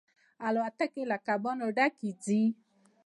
الوتکې له کبانو ډکې ځي.